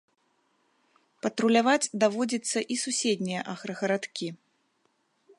Патруляваць даводзіцца і суседнія аграгарадкі.